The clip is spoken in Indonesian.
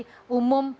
bahwa ada alokasi umum